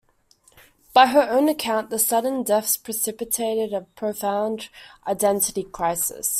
By her own account, the sudden deaths precipitated a profound identity crisis.